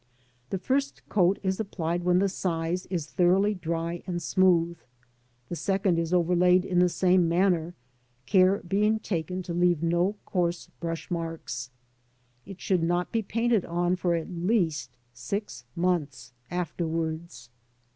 The first coat is applied when the size is thoroughly dry and smooth. A second is overlaid in the same manner, care being taken to leave no coarse brush marks. It should not be painted on for at least six months afterwards.